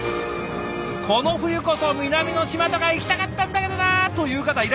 この冬こそ南の島とか行きたかったんだけどなという方いらっしゃいますよね？